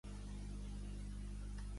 Ho va dissenyar Orland Corben.